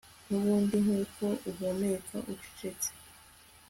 nubundi nkuko uhumeka, ucecetse